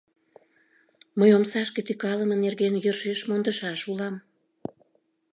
Мый омсашке тӱкалыме нерген йӧршеш мондышаш улам.